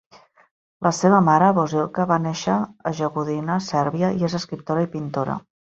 La seva mare, Bosiljka, va néixer a Jagodina, Sèrbia, i és escriptora i pintora.